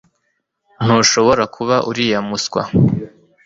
ntushobora kuba uriya muswa